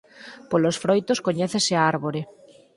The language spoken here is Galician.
Polos froitos coñécese a árbore.